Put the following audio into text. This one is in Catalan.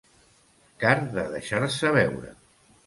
Car de deixar-se veure.